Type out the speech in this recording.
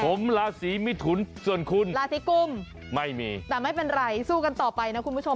ผมราศีมิถุนส่วนคุณราศีกุมไม่มีแต่ไม่เป็นไรสู้กันต่อไปนะคุณผู้ชม